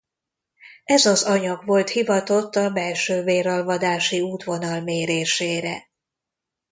Ez az anyag volt hivatott a belső véralvadási útvonal mérésére.